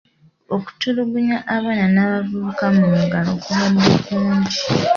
Okutulugunya abaana n'abavubuka mu muggalo kubadde kungi.